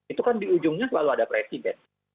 itu kan di ujungnya selalu ada presiden